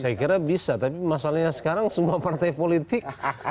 saya kira bisa tapi masalahnya sekarang semua partai politik